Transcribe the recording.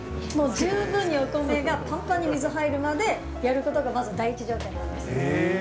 もう十分にお米がぱんぱんに水入るまでやることが、まず第一条件なんです。